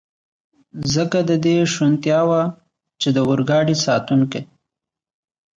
ځکه د دې شونتیا وه، چې د اورګاډي ساتونکي.